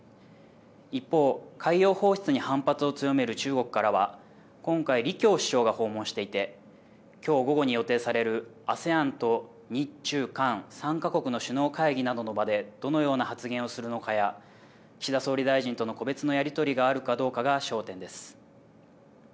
一方、海洋放出に反発を強める中国からは今回、李強首相が訪問していてきょう午後に予定されるＡＳＥＡＮと日中韓３か国の首脳会議などの場でどのような発言をするのかや岸田総理大臣との個別のやり取りがあるかどうかが焦点です。